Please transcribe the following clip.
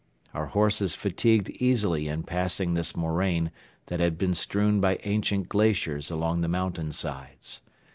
Our horses fatigued easily in passing this moraine that had been strewn by ancient glaciers along the mountain sides.